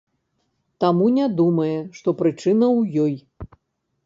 Таму не думае, што прычына ў ёй.